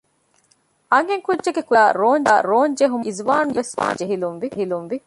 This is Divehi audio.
އަންހެންކުއްޖެއްގެ ކުރިމަތީގައި ރޯންޖެހުމުން އިޒުވާނުވެސް ޖެހިލުންވި